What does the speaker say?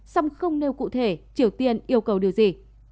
song không nêu cụ thể triều tiên yêu cầu điều gì